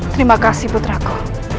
terima kasih putraku